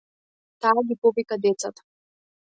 Таа ги повика децата.